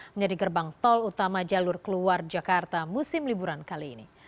menjadi gerbang tol utama jalur keluar jakarta musim liburan kali ini